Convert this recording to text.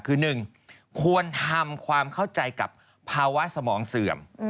คือ๑ควรทำความเข้าใจกับภาวะสมองเสื่อม